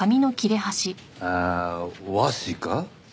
ああ和紙か？